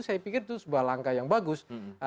saya pikir itu sebuah langkah yang bagus